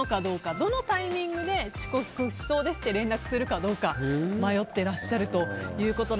どのタイミングで遅刻しそうですって連絡するかどうか迷ってらっしゃるということで。